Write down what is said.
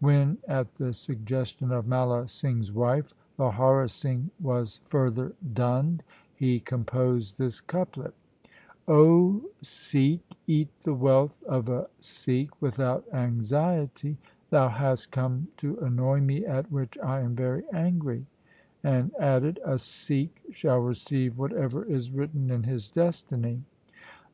When, at the suggestion of Mala Singh's wife, Lahaura Singh was further dunned, he composed this couplet :— 0 Sikh, eat the wealth of a Sikh without anxiety ; Thou hast come to annoy me at which I am very angry ; and added: — A Sikh shall receive whatever is written in his destiny.